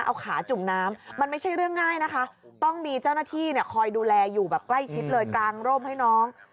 เอาขาจุ่มน้ำมันไม่ใช่เรื่องง่ายนะคะต้องมีเจ้าหน้าที่คอยดูแลอยู่แบบใกล้ชิดเลยกลางร่มให้น้อง